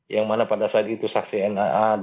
yang mana pada saat itu saksi naa